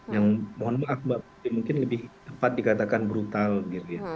yang mohon maaf mbak putri mungkin lebih tepat dikatakan brutal gitu ya